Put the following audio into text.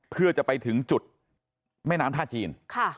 เพื่อจะไปถึงจุดแม่น้ำท่าจีน